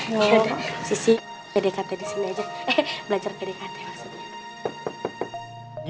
ya udah sissy pdkt di sini aja belajar pdkt maksudnya